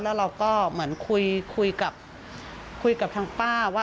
แล้วเราก็เหมือนคุยกับคุยกับทางป้าว่า